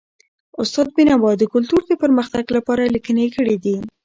استاد بینوا د کلتور د پرمختګ لپاره لیکني کړي دي.